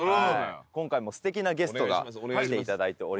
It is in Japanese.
今回もすてきなゲストが来ていただいております。